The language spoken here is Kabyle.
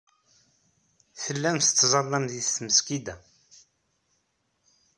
Tellam tettẓallam deg tmesgida.